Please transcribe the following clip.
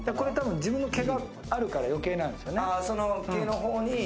自分の毛があるからよけいなんですよね。